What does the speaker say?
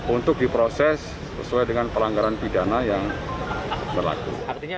untuk diproses sesuai dengan pelanggaran pidana yang berlaku